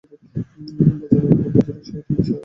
বজ্রের গুরুগর্জনের সহিত মিশিয়া যাক পাখির কাকলি।